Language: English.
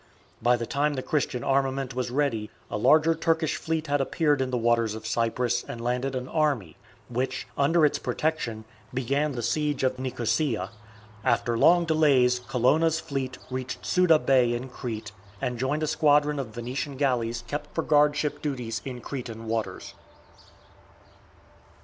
By the time the Christian armament was ready a larger Turkish fleet had appeared in the waters of Cyprus and landed an army, which, under its protection, began the siege of Nicosia. After long delays Colonna's fleet reached Suda Bay in Crete, and joined a squadron of Venetian galleys kept for guardship duties in Cretan waters.